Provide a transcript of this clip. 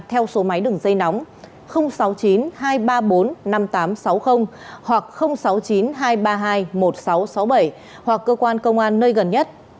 theo số máy đường dây nóng sáu mươi chín hai trăm ba mươi bốn năm nghìn tám trăm sáu mươi hoặc sáu mươi chín hai trăm ba mươi hai một nghìn sáu trăm sáu mươi bảy hoặc cơ quan công an nơi gần nhất